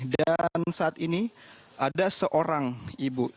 dan saat ini ada seorang ibu